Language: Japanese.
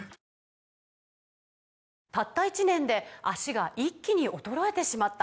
「たった１年で脚が一気に衰えてしまった」